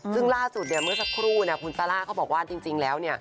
ซึ่งล่าสุดเมื่อสักครู่คุณซาร่าเขาบอกว่าจริงแล้ว